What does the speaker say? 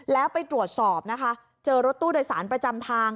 แล้วไปตรวจสอบนะคะเจอรถตู้โดยสารประจำทาง